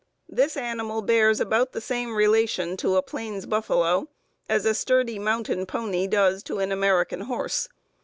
This animal bears about the same relation to a plains buffalo as a sturdy mountain pony does to an American horse.